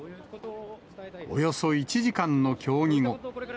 およそ１時間の協議後。